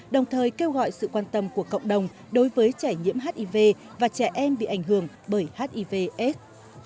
đồng thời kêu gọi sự quan tâm của cộng đồng đối với trẻ nhiễm hiv và trẻ em bị ảnh hưởng bởi hivs